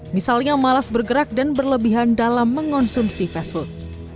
misalnya malas bergerak dan berlebihan dalam mengonsumsi fast food